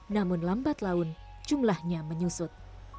namun lambat laun jumlahnya menyusut